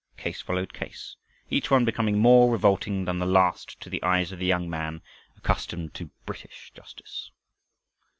Case followed case, each one becoming more revolting than the last to the eyes of the young man accustomed to British justice.